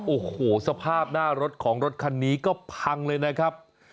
โอ้โหสภาพหน้ารถของรถคันนี้ก็พังเลยนะครับ